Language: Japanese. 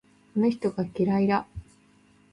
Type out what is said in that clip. あの人が嫌いだ。